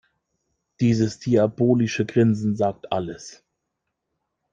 Dieses diabolische Grinsen sagt alles.